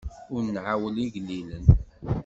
Ur nɛawen igellilen.